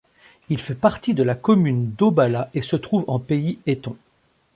Il fait partie de la commune d'Obala et se trouve en pays Eton.